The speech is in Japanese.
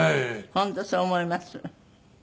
本当そう思います。